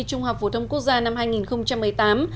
trung học phổ thông quốc gia năm hai nghìn một mươi tám